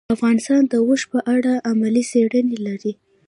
افغانستان د اوښ په اړه علمي څېړنې لري.